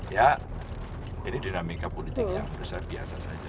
ya ini dinamika politik yang besar biasa saja